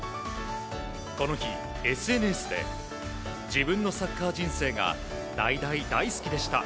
この日、ＳＮＳで自分のサッカー人生が大大大好きでした。